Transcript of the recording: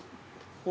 これ。